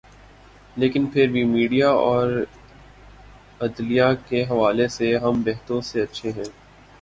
لیکن پھر بھی میڈیا اور عدلیہ کے حوالے سے ہم بہتوں سے اچھے ہیں۔